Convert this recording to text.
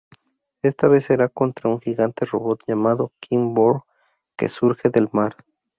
Esta vez será contra un gigante robot llamado "King Borg" que surge del mar.